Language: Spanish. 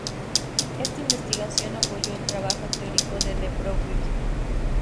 Esta investigación apoyó el trabajo teórico de De Broglie.